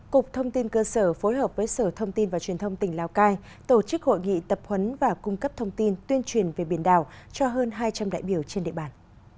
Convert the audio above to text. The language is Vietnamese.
cục thông tin cơ sở phối hợp với sở thông tin và truyền thông tỉnh lào cai tổ chức hội nghị tập huấn và cung cấp thông tin tuyên truyền về biển đảo cho hơn hai trăm linh đại biểu trên địa bàn